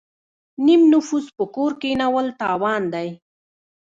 نیم نفوس په کور کینول تاوان دی.